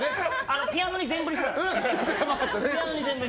ピアノ全振りしたので。